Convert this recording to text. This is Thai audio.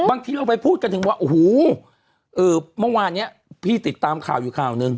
บางทีเราไปพูดกันถึงว่าโอ้โหเมื่อวานเนี้ยพี่ติดตามข่าวอยู่ข่าวนึง